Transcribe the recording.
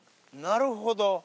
なるほど。